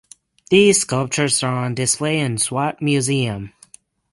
These sculptures are on display in Swat Museum.